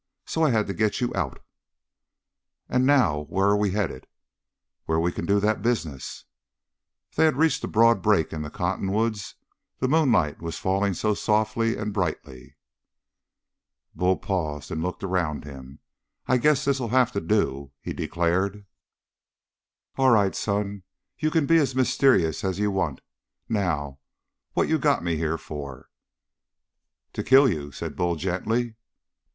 So I had to get you out." "And now where're we headed?" "Where we can do that business." They had reached a broad break in the cottonwoods; the moonlight was falling so softly and brightly. Bull paused and looked around him. "I guess this'll have to do," he declared. "All right, son. You can be as mysterious as you want. Now what you got me here for?" "To kill you," said Bull gently.